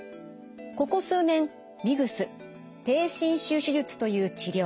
ここ数年ＭＩＧＳ低侵襲手術という治療。